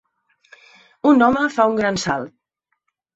un home fa un gran salt.